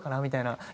みたいな。